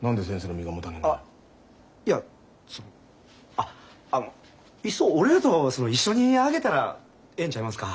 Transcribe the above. あっあのいっそ俺らと一緒に挙げたらええんちゃいますか？